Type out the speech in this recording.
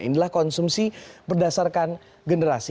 inilah konsumsi berdasarkan generasi